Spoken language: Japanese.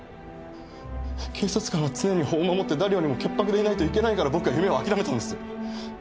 警察官は常に法を守って誰よりも潔白でいないといけないから僕は夢を諦めたんです！